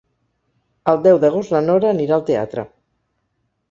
El deu d'agost na Nora anirà al teatre.